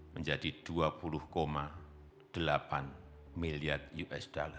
menjadi dua puluh delapan miliar usd